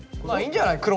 まあいいんじゃない？